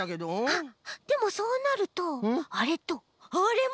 あっでもそうなるとあれとあれも。